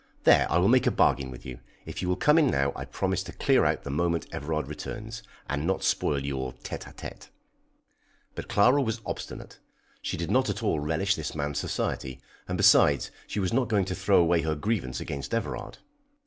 There! I will make a bargain with you! If you will come in now, I promise to clear out the moment Everard returns, and not spoil your tête à tête." But Clara was obstinate; she did not at all relish this man's society, and besides, she was not going to throw away her grievance against Everard.